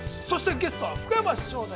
そして、ゲストは福山翔